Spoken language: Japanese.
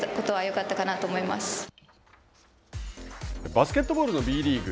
バスケットボールのＢリーグ。